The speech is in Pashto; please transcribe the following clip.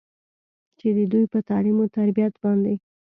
چې د دوي پۀ تعليم وتربيت باندې